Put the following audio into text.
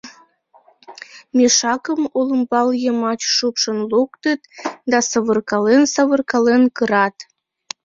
Мешакым олымбал йымач шупшын луктыт да савыркален-савыркален кырат.